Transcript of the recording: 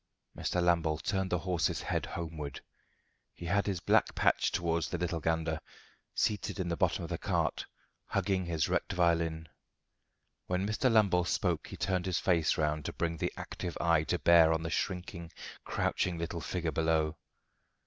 Mr. Lambole turned the horse's head homeward. He had his black patch towards the little Gander, seated in the bottom of the cart, hugging his wrecked violin. When Mr. Lambole spoke he turned his face round to bring the active eye to bear on the shrinking, crouching little figure below.